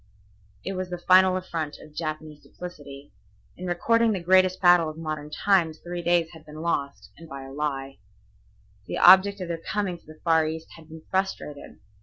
It was the final affront of Japanese duplicity. In recording the greatest battle of modern times three days had been lost, and by a lie. The object of their coming to the Far East had been frustrated.